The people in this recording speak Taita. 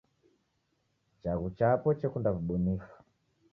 Chaghu chapo chekunda w'ubunifu.